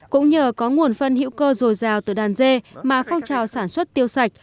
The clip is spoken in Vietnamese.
cũng nhờ có nguồn phân hữu cơ dồi dào từ đàn dê mà phong trào sản xuất tiêu sạch